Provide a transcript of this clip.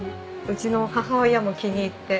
うちの母親も気に入って。